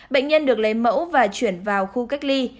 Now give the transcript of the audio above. bệnh nhân được lấy mẫu và chuyển vào khu cách ly